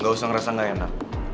gak usah ngerasa gak enak